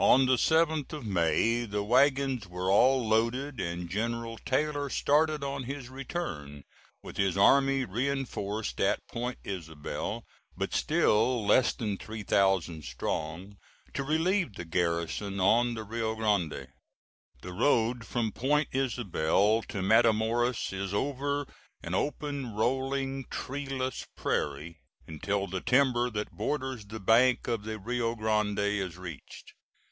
On the 7th of May the wagons were all loaded and General Taylor started on his return, with his army reinforced at Point Isabel, but still less than three thousand strong, to relieve the garrison on the Rio Grande. The road from Point Isabel to Matamoras is over an open, rolling, treeless prairie, until the timber that borders the bank of the Rio Grande is reached.